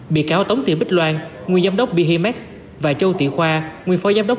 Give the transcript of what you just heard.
bị cáo tống thị bích loan nguyên giám đốc bihemex và châu thị khoa nguyên phó giám đốc